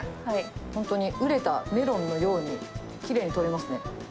本当に熟れたメロンのように、きれいに取れますね。